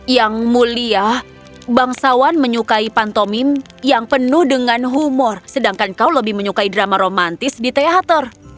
yang mulia bangsawan menyukai pantomin yang penuh dengan humor sedangkan kau lebih menyukai drama romantis di teater